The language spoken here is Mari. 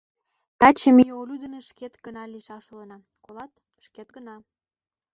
Таче ме Олю дене шкет гына лийшаш улына, колат, шкет гына.